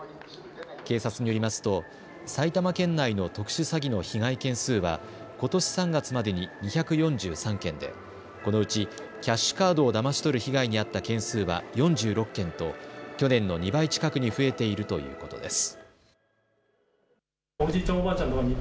警察によりますと埼玉県内の特殊詐欺の被害件数はことし３月までに２４３件でこのうちキャッシュカードをだまし取る被害に遭った件数は４６件と去年の２倍近くに増えているということです。